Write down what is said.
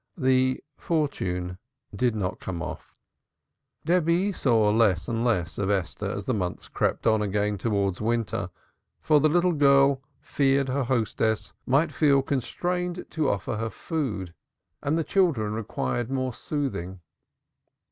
The fortune did not come off. Debby saw less and less of Esther as the months crept on again towards winter, for the little girl feared her hostess might feel constrained to offer her food, and the children required more soothing.